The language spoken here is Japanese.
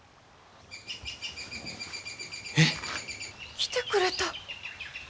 えっ？来てくれた。